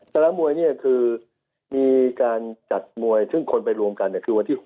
สนามมวยเนี่ยคือมีการจัดมวยซึ่งคนไปรวมกันคือวันที่๖